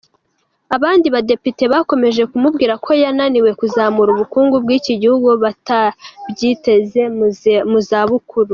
Abandi badepite bakomeje kumubwira ko yananiwe kuzamura ubukungu bw’iki gihugu batabyiteze mu zabukuru.